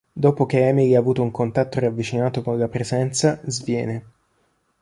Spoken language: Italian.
Dopo che Emily ha avuto un contatto ravvicinato con la presenza, sviene.